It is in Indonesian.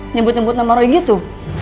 nyebut nyebut nama roy gitu